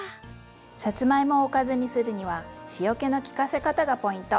さつまいもをおかずにするには塩気の利かせ方がポイント。